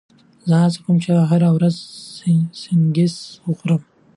زه هڅه کوم هره ورځ سنکس وخورم.